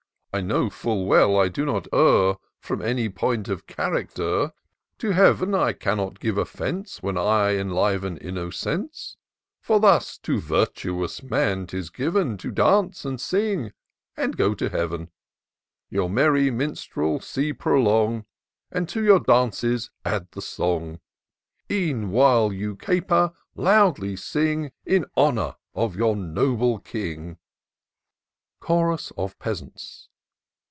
I know full well I do not err From any point of character : To Heav'n I cannot give oiBTence While I enliven innocence : For thus to virtuous man 'tis given To dance, and sing, and go to Heaven. Your merry minstrel^ prolong, And to your dances add the song : E'en while you caper, loudly sing. In honour of your noble King." Chorus of Peasants.